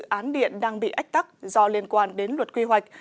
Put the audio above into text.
các dự án điện bị ách tắt do liên quan đến luật quy hoạch